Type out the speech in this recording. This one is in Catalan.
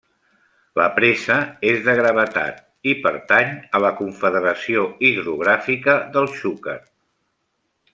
La presa és de gravetat i pertany a la Confederació Hidrogràfica del Xúquer.